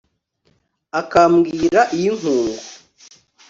akambwira iy'inkungu